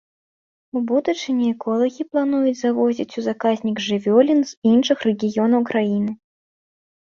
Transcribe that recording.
У будучыні эколагі плануюць завозіць у заказнік жывёлін з іншых рэгіёнаў краіны.